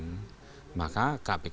apabila itu adalah pengembangan penyidikan